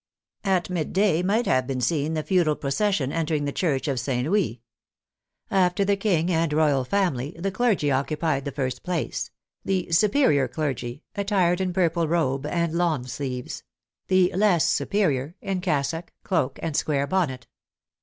At midday might have been seen the feudal procession entering the Church of St. Louis. After the King and Royal Family, the clergy occupied the first place, " the superior clergy," attired in purple robe and lawn sleeves ; the less " superior," in cassock, cloak, and square bonnet.